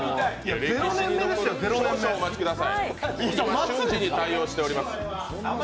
少々お待ちください。